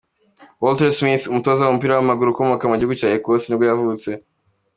Walter Smith, umutoza w’umupira w’amaguru ukomoka mu gihugu cya Ecosse nibwo yavutse.